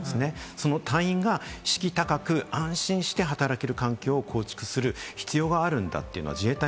その隊員が士気高く安心して働ける環境を構築する必要があるんだ。